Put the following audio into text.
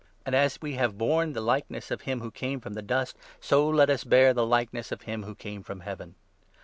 And as we have borne 49 the likeness of him who came from the dust, so let us bear the likeness of him who came from Heaven.